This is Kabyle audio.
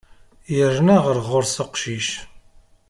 Yerna ɣer ɣur-s uqcic.